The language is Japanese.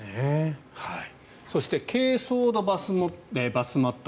そして珪藻土バスマット。